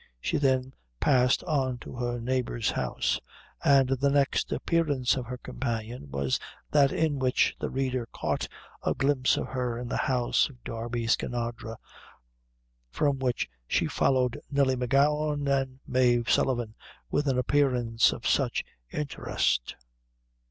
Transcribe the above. She then passed on to her neighbor's house, and the next appearance of her companion was that in which the reader caught, a glimpse of her in the house of Darby Skinadre, from which she followed Nelly M'Gowan and Mave Sullivan with an appearance of such interest.